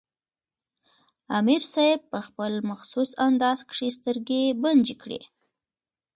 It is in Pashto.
امیر صېب پۀ خپل مخصوص انداز کښې سترګې بنجې کړې